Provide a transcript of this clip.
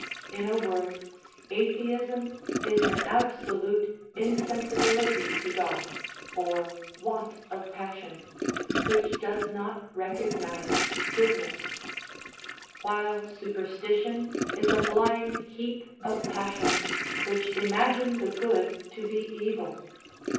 In a Avord, atheism is an absolute insensi bility to God (or want of jjassion)^ which does not recognize goodness ; while superstition is a blind heap of passions, which imagine the good to be evil.